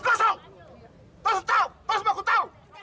kau sudah tahu kau sudah tahu